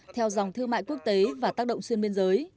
theo dòng thương mại quốc tế và tác động xuyên biên giới